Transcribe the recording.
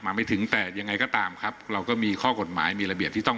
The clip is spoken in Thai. ไม่ถึงแต่ยังไงก็ตามครับเราก็มีข้อกฎหมายมีระเบียบที่ต้อง